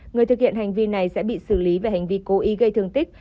người thực hiện hành vi này sẽ bị xử lý về hành vi cố ý gây thương tích